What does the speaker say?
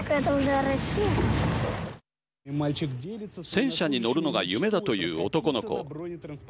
戦車に乗るのが夢だという男の子。